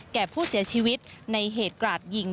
แก่ผู้เสียชีวิตในเหตุกราดยิง